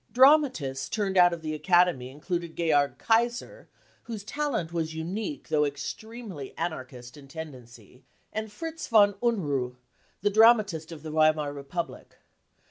Dramatists turned out of the Academy included Georg Kaiser, whose talent was unique though extremely anar chist in tendency ; and Fritz von Unruh, the dramatist of the Weimar Republic.